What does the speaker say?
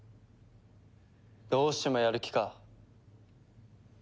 どうしてもやる気か。